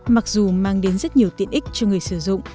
mặc dù mang đến rất nhiều tiện ích cho người sử dụng